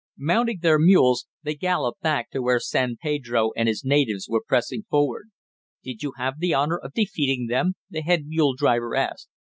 Mounting their mules, they galloped back to where San Pedro and his natives were pressing forward. "Did you have the honor of defeating them," the head mule driver asked.